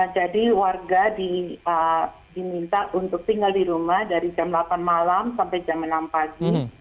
jadi warga diminta untuk tinggal di rumah dari jam delapan malam sampai jam enam pagi